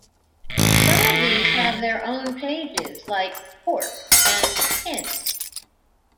Some of these have their own pages, like "fork" and "pin".